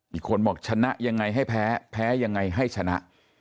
อีกคนบอกชนะยังไงให้แพ้แพ้ยังไงให้ชนะ